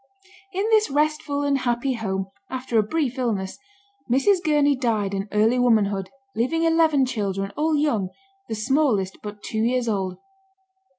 In this restful and happy home, after a brief illness, Mrs. Gurney died in early womanhood, leaving eleven children, all young, the smallest but two years old.